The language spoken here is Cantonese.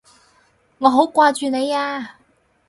我好掛住你啊！